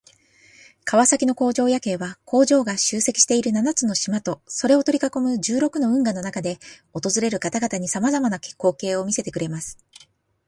川崎の工場夜景は、工場が集積している七つの島とそれを取り囲む十六の運河の中で訪れる方々に様々な光景を見せてくれます。